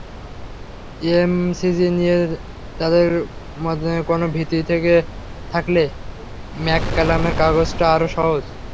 MCG নিয়ে তাঁদের মনে কোনো ভীতি থেকে থাকলে ম্যাককালামের কাজটা আরও সহজ।